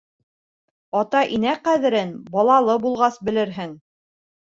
Ата-инә ҡәҙерен балалы булғас белерһең